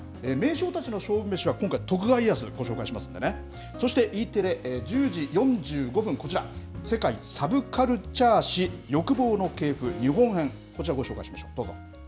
名将たちの勝負メシは今回、徳川家康をご紹介しますんでね、そしてＥテレ１０時４５分、こちら、世界サブカルチャー史欲望の系譜日本編、こちらご紹介しましょう。